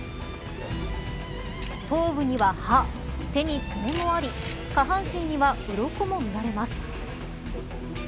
頭部には歯手に爪もあり下半身にはうろこも見られます。